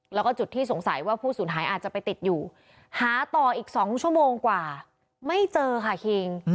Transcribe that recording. แล้วก็จุดที่สงสัยว่าผู้สูญหายอาจจะไปติดอยู่หาต่ออีก๒ชั่วโมงกว่าไม่เจอค่ะคิง